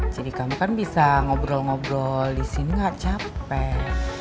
jadi kamu kan bisa ngobrol ngobrol di sini gak capek